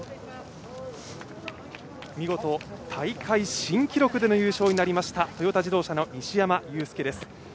見事、大会新記録での優勝になりました、トヨタ自動車の西山雄介です。